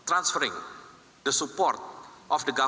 langsung ke keluarga